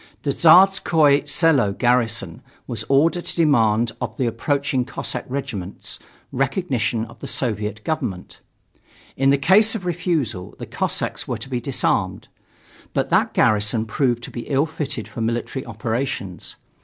The Tsarskoye Selo garrison was ordered to demand of the approaching Cossack regiments recognition of the Soviet government. In case of refusal, the Cossacks were to be disarmed. But that garrison proved to be ill fitted for military operations.